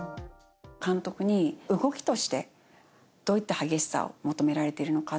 監督に動きとしてどういった激しさを求められているのか。